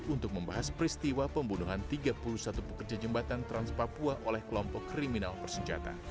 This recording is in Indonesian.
untuk membahas peristiwa pembunuhan tiga puluh satu pekerja jembatan trans papua oleh kelompok kriminal bersenjata